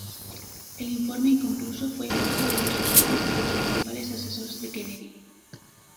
El informe inconcluso fue objeto de discusión entre los principales asesores de Kennedy.